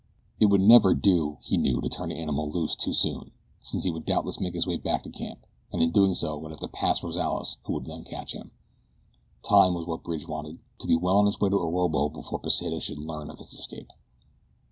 It would never do, he knew, to turn the animal loose too soon, since he would doubtless make his way back to camp, and in doing so would have to pass Rozales who would catch him. Time was what Bridge wanted to be well on his way to Orobo before Pesita should learn of his escape.